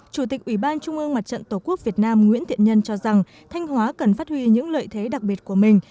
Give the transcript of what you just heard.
chủ tịch ủy ban trung ương mặt trận tổ quốc việt nam nguyễn thiện nhân cho rằng thanh hóa cần phát huy những lợi thế đặc biệt của mình